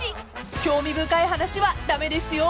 ［興味深い話は駄目ですよ］